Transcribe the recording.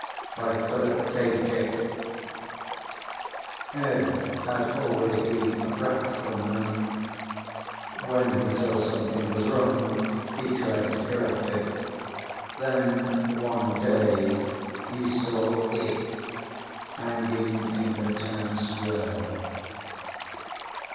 ] Ed had always been a practical man, when he saw something was wrong he tried to correct it. Then one day he saw it hanging in the town square.